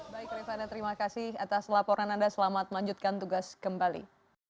baik rifana terima kasih atas laporan anda selamat melanjutkan tugas kembali